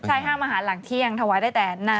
ใช่ห้ามอาหารหลังเที่ยงถวายได้แต่นาน